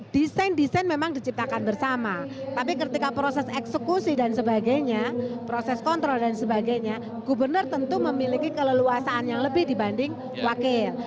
desain desain memang diciptakan bersama tapi ketika proses eksekusi dan sebagainya proses kontrol dan sebagainya gubernur tentu memiliki keleluasaan yang lebih dibanding wakil